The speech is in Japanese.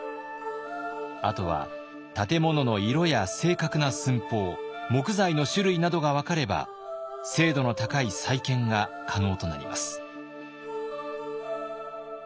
あとは建物の色や正確な寸法木材の種類などが分かれば精度の高い再建が可能となります。